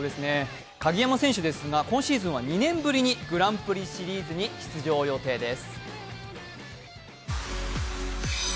鍵山選手ですが今シーズンは２年ぶりにグランプリシリーズ出場予定です。